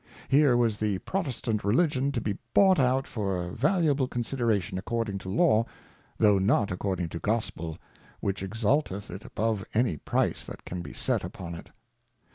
Here was the Protestant Religion to be bought out for a valuable Consideration according to Law, though not according to Gospel, which exalteth it above any Price that can be set upon it.